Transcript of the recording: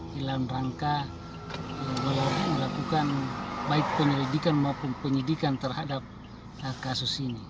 di dalam rangka melakukan baik penyelidikan maupun penyidikan terhadap kasus ini